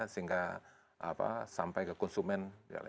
sehingga sampai ke konsumen